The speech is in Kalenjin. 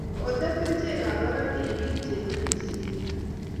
koteb kerichek ab barak eng piik che imiani seriat